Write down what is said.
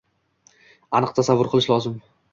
Aniq tasavvur qilish lozim